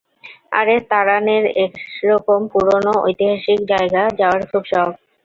আরে, তারান এর এরকম পুরানো ঐতিহাসিক জায়গা যাওয়ার খুব শখ।